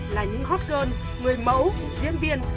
là những hot girl người mẫu diễn viên